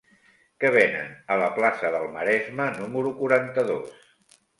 Què venen a la plaça del Maresme número quaranta-dos?